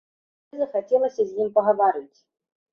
Тады захацелася з ім пагаварыць.